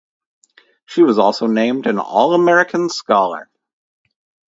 She was also named an All American Scholar.